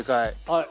はい。